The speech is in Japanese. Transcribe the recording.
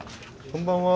こんばんは。